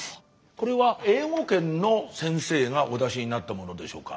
これは英語圏の先生がお出しになったものでしょうか？